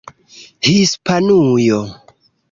Hispanujo